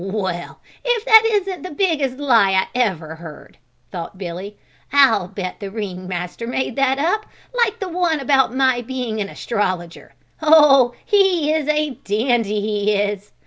Well, if that isn't the biggest lie I ever heard!" thought Billy. "I'll bet the ring master made that up, like the one about my being an astrologer. Oh, he is a dandy, he is!